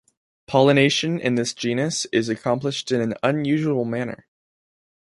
Pollination in this genus is accomplished in an unusual manner.